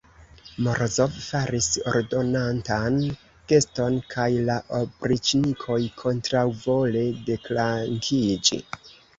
Morozov faris ordonantan geston, kaj la opriĉnikoj kontraŭvole deflankiĝis.